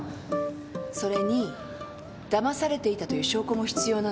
それにだまされていたという証拠も必要なの。